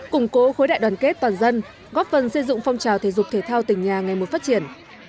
củng cố khối đại đoàn kết toàn dân góp phần xây dựng phong trào thể dục thể thao tỉnh nhà ngày một phát triển